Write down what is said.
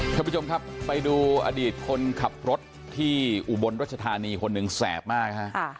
ท่านผู้ชมครับไปดูอดีตคนขับรถที่อุบลรัชธานีคนหนึ่งแสบมากฮะ